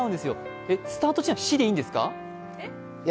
スタート地点は「し」でいいんですか？